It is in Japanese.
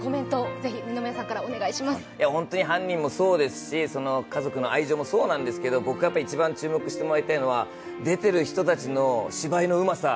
本当に犯人もそうですし家族の愛情もそうなんですけれども僕が一番注目してもらいたいのは出てる人たちの芝居のうまさ。